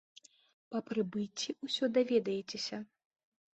Па прыбыцці ўсё даведаецеся.